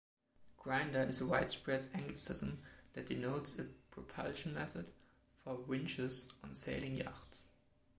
“Grinder” is a widespread Anglicism that denotes a propulsion method for winches on sailing yachts.